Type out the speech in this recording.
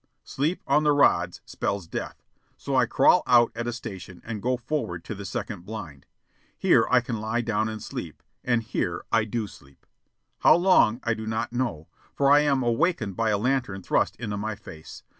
Sleep on the rods spells death, so I crawl out at a station and go forward to the second blind. Here I can lie down and sleep; and here I do sleep how long I do not know for I am awakened by a lantern thrust into my face.